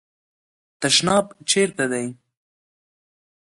تشناب چیري دی ؟